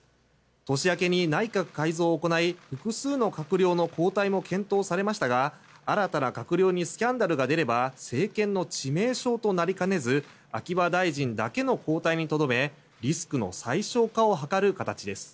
年明けに内閣改造を行い複数の閣僚の交代も検討されましたが、新たな閣僚にスキャンダルが出れば政権の致命傷となりかねず秋葉大臣だけの交代にとどめリスクの最小化を図る形です。